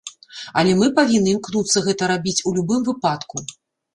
Але мы павінны імкнуцца гэта рабіць у любым выпадку.